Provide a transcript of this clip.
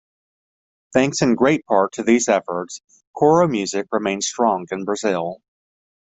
Thanks in great part to these efforts, choro music remains strong in Brazil.